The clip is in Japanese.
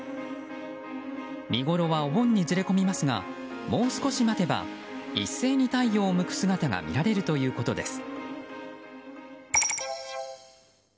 見ごろは、お盆にずれ込みますがもう少し待てば一斉に太陽を向く姿が見られるということです。